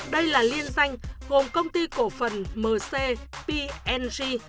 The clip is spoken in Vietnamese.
đây là liên danh gồm công ty cổ phần mcpng